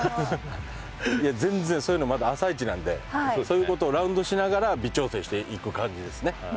いや全然そういうのまだ朝イチなんでそういう事をラウンドしながら微調整していく感じですね。